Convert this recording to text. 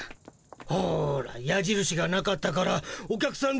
ほらやじるしがなかったからお客さん